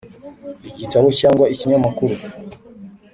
igitabo cyangwa ikinyamakuru.